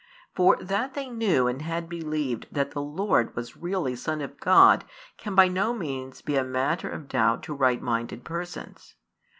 For that they knew and had believed that the Lord was really Son of God can by no means be a matter of doubt to right minded persons.